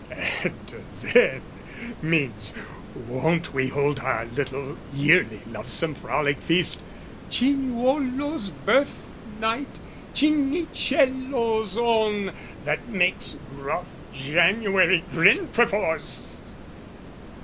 And "then" means, won't we hold Our little yearly lovesome frolic feast, Cinuolo's birth night, Cinicello's own, That makes gruff January grin perforce!